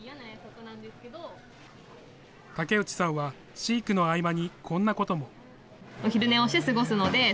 竹内さんは、飼育の合間にこんなことも。